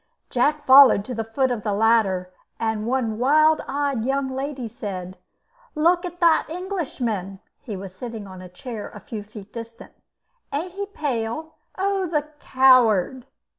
Jack followed to the foot of the ladder, and one wild eyed young lady said: "Look at the Englishman [he was sitting on a chair a few feet distance]. Ain't he pale? Oh! the coward!"